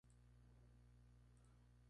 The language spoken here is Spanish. De ahí el nombre de acumulación.